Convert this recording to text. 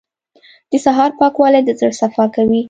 • د سهار پاکوالی د زړه صفا کوي.